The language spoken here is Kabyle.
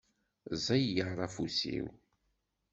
Ẓeyyeṛ afus-iw.